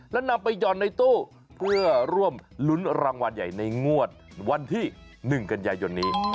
แล้วนำไปหย่อนในตู้เพื่อร่วมลุ้นรางวัลใหญ่ในงวดวันที่๑กันยายนนี้